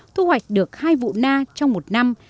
thu hoạch được hai vụ na trong một năm